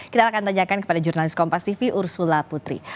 kita akan tanyakan kepada jurnalis kompas tv ursula putri